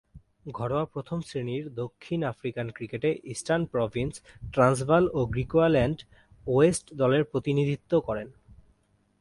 ঘরোয়া প্রথম-শ্রেণীর দক্ষিণ আফ্রিকান ক্রিকেটে ইস্টার্ন প্রভিন্স, ট্রান্সভাল ও গ্রিকুয়াল্যান্ড ওয়েস্ট দলের প্রতিনিধিত্ব করেন।